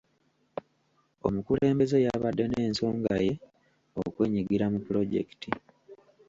Omukulembeze yabadde n'ensonga ye okwenyigira mu pulojekiti.